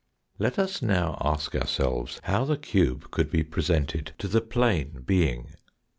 Let us now ask ourselves how the cube could be pre sented to the plane being.